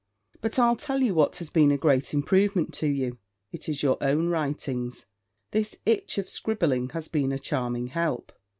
But I'll tell you what has been a great improvement to you; it is your own writings. This itch of scribbling has been a charming help.